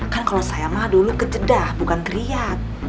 kan kalau saya mah dulu kejedah bukan teriak